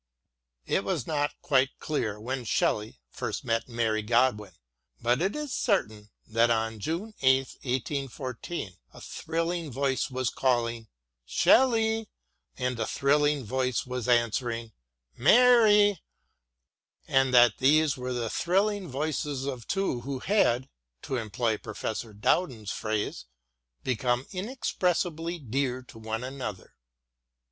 It is not quite clear when Shelley first met Mary Godwin, but it is certain that on June 8, 1 8 14, a thrilling voice was calling " SheUey " and a thrilling voice was answering " Mary," and that these were the thrilling voices of two who had, to employ Professor Dowden's phrase,* become inexpressibly dear to one another.